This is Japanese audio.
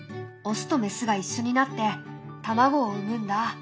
オスとメスが一緒になって卵を産むんだ。